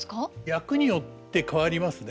役によって変わりますね。